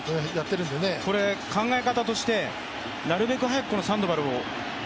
考え方として、なるべく早くサンドバルを？